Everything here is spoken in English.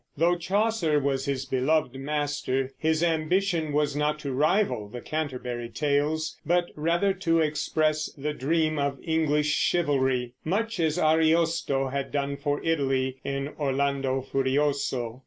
Though Chaucer was his beloved master, his ambition was not to rival the Canterbury Tales, but rather to express the dream of English chivalry, much as Ariosto had done for Italy in Orlando Furioso.